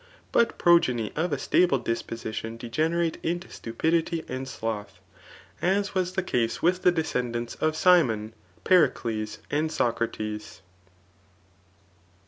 But progtoy of a stable disposition degenerate into stupidity and sloth; as was the case with the descendants of Girkhi, Pericles, and Socrates.